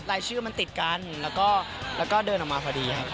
รายชื่อมันติดกันแล้วก็เดินออกมาพอดีครับ